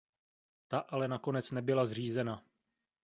Ta ale nakonec nebyla zřízena.